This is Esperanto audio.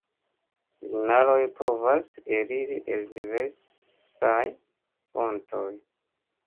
Signaloj povas eliri el diversaj fontoj.